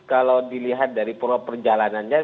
kalau dilihat dari perjalanannya